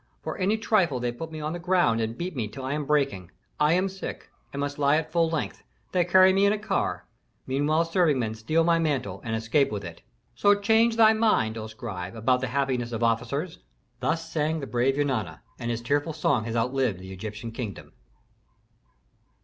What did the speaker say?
For any trifle they put me on the ground and beat me till I am breaking. I am sick and must lie at full length; they carry me in a car, meanwhile serving men steal my mantle and escape with it. "So change thy mind, O scribe, about the happiness of officers." Authentic. Thus sang the brave Eunana; and his tearful song has outlived the Egyptian kingdom.